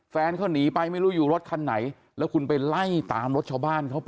แฟนเขาหนีไปไม่รู้อยู่รถคันไหนแล้วคุณไปไล่ตามรถชาวบ้านเขาไป